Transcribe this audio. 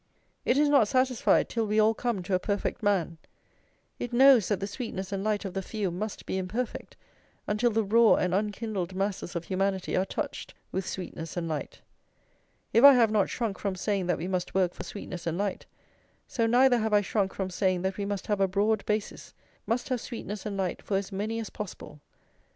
It is not satisfied till we all come to a perfect man; it knows that the sweetness and light of the few must be imperfect until the raw and unkindled masses of humanity are touched with sweetness and light. If I have not shrunk from saying that we must work for sweetness and light, so neither have I shrunk from saying that we must have a broad basis, must have sweetness and light for as many as possible.